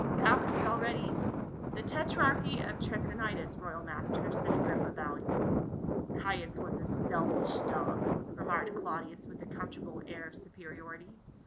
"Thou hast already —?" "The tetrarchy of Trachonitis, royal master," said Agrippa bowing. " Caius was a selfish dog," remarked Claudius with a comfortable air of superiority.